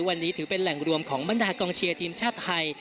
วันนี้ถือเป็นแหล่งรวมของบรรดากองเชียร์ทีมชาติไทย